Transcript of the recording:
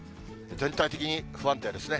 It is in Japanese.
全体的に不安定ですね。